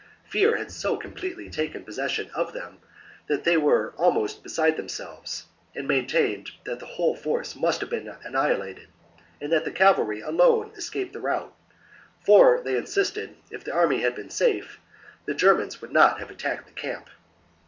Fear had so completely taken possession of them that they were almost beside themselves, and maintained that the whole force must have been annihilated and that the cavalry had alone escaped the rout ; for, they insisted, if the army had been safe, the Germans would not have attacked the camp.